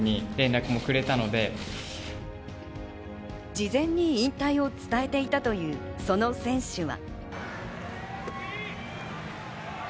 事前に引退を伝えていたというその選手は。